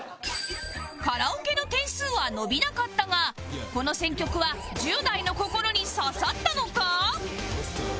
カラオケの点数は伸びなかったがこの選曲は１０代の心に刺さったのか？